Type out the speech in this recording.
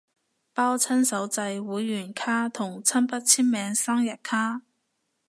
包親手製會員卡同親筆簽名生日卡